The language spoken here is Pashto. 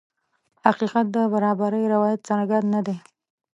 حقیقت د برابرۍ روایت څرګند نه دی.